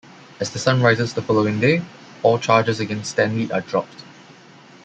As the sun rises the following day, all charges against Stanley are dropped.